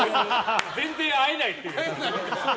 全然会えないっていう。